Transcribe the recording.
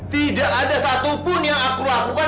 tidak ada satupun yang aku lakukan